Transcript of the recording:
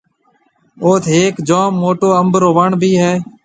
اوٿ هيڪ جوم موٽو انڀ رو وڻ ڀِي هيَ۔